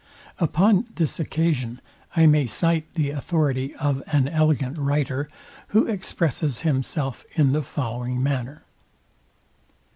Upon this occasion I may cite the authority of an elegant writer, who expresses himself in the following manner.